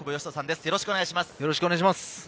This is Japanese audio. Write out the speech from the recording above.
よろしくお願いします。